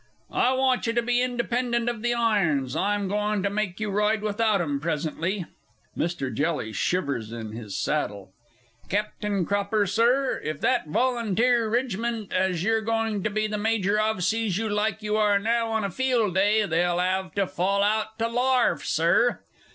I want you to be independent of the irons. I'm going to make you ride without 'em presently. (Mr. Jelly shivers in his saddle.) Captin' Cropper, Sir; if that Volunteer ridgment as you're goin' to be the Major of sees you like you are now, on a field day they'll 'ave to fall out to larf, Sir!